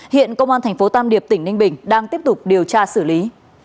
hiện công an tp tam điệp tỉnh ninh bình đang tiếp tục điều tra xử lý